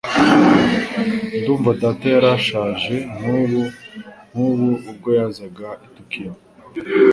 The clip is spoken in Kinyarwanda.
Ndumva data yari ashaje nkubu nkubu ubwo yazaga i Tokiyo